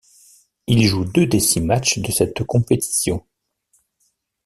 Il joue deux des six matchs de cette compétition.